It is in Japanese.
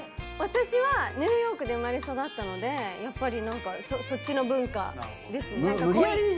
私はニューヨークで生まれ育ったのでやっぱりなんかそっちの文化です。